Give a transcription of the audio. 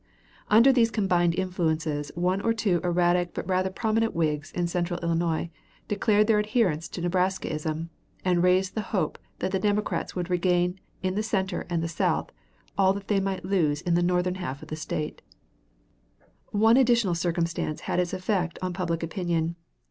Under these combined influences one or two erratic but rather prominent Whigs in central Illinois declared their adherence to Nebraskaism, and raised the hope that the Democrats would regain in the center and south all they might lose in the northern half of the State. [Illustration: LYMAN TRUMBULL] One additional circumstance had its effect on public opinion.